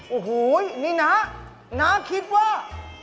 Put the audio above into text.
โอ้โหนี่น้าน้าคิดว่า